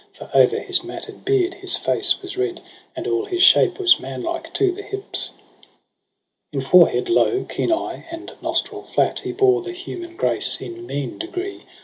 For o'er his matted beard his face was red. And all his shape was manlike to the hips. I? In forehead low, keen eye, and nostril flat He bore the human grace in mean degree.